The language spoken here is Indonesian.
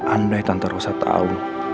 andai tante rossa tahu